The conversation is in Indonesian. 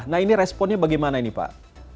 nah ini responnya bagaimana ini pak